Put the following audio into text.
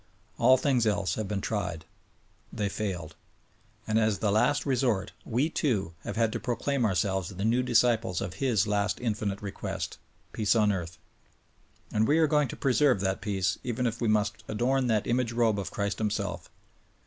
All things else have been tried. They failed. And as the last resort, we, too, have had to proclaim ourselves the new disciples of His last infinite request : Peace on earth. And we are going to preserve that peace even if we must adorn that imiage robe of Christ Himself.